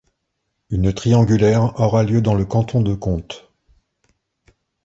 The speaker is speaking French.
Une triangulaire aura lieu dans le canton de Contes.